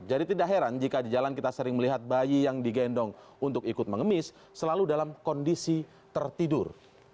jadi tidak heran jika di jalan kita sering melihat bayi yang digendong untuk ikut pengemis selalu dalam kondisi tertidur